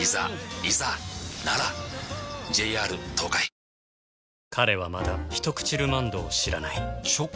心技体を彼はまだ「ひとくちルマンド」を知らないチョコ？